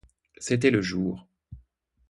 C'était le jour.